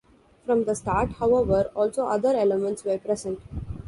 From the start, however, also other elements were present.